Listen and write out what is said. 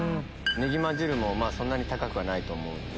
葱鮪汁もそんなに高くはないと思うんで。